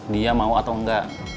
dia mau atau enggak